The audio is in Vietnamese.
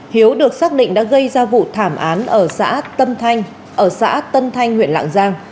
hiếu được xác định đã gây ra vụ thảm án ở xã tân thanh huyện lạng giang